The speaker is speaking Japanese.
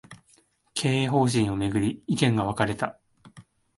経営方針を巡り、意見が分かれた